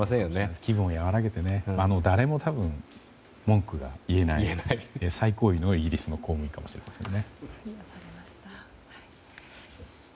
気分を和らげて誰も文句が言えない最高位のイギリスの公務員かもしれませんね。